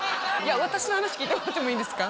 私の話聞いてもらってもいいですか？